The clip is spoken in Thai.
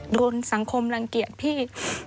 โดนสังคมรังเกียจพี่